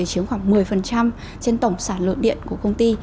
chiếm khoảng một mươi trên tổng sản lượng điện của công ty